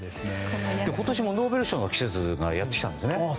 今年もノーベル賞の季節がやってきたんですね。